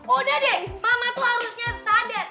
udah deh mama tuh harusnya sadar